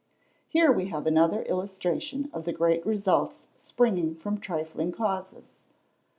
Here we have another illustration of the great results springing from trifling causes.